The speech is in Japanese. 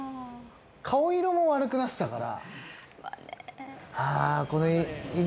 顔色も悪くなってたから。